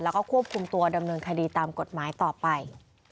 แล้วก็ควบคุมตัวดำเนินคดีตามกฎหมายต่อไป